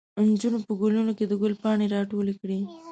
نجونې په ګلونو کې د ګل پاڼې راټولې کړې.